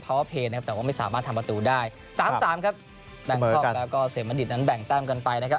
แต่ว่าไม่สามารถทำประตูได้สามสามครับแบงคล็อกแล้วก็เสมอดิดนั้นแบ่งแต้มกันไปนะครับ